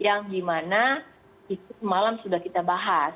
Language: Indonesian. yang dimana itu semalam sudah kita bahas